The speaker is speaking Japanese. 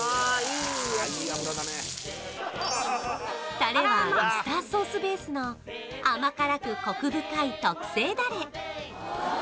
タレはウスターソースベースの甘辛くコク深い特製ダレ